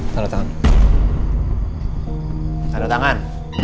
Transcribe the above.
tanda tangan tanda tangan